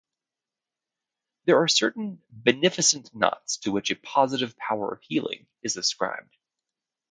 There are certain beneficent knots to which a positive power of healing is ascribed.